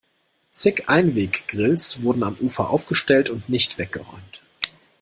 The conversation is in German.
Zig Einweggrills wurden am Ufer aufgestellt und nicht weggeräumt.